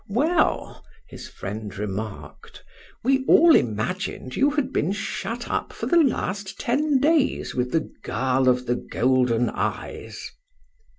"Well," his friend remarked, "we all imagined that you had been shut up for the last ten days with the girl of the golden eyes."